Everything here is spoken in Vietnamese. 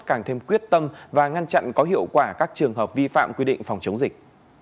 càng thêm quyết tâm và ngăn chặn có hiệu quả các trường hợp vi phạm quy định phòng chống dịch